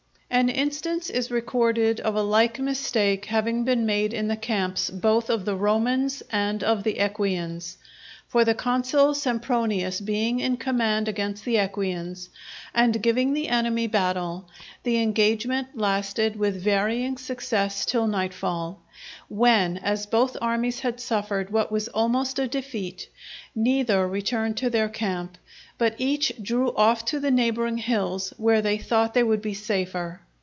An instance is recorded of a like mistake having been made in the camps both of the Romans and of the Equians. For the Consul Sempronius being in command against the Equians, and giving the enemy battle, the engagement lasted with varying success till nightfall, when as both armies had suffered what was almost a defeat, neither returned to their camp, but each drew off to the neighboring hills where they thought they would be safer.